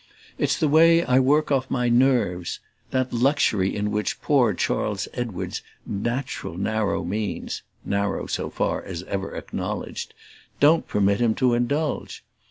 It's the way I work off my nerves that luxury in which poor Charles Edward's natural narrow means narrow so far as ever acknowledged don't permit him to indulge.